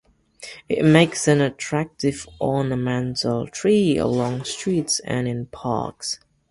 It makes an attractive ornamental tree along streets and in parks.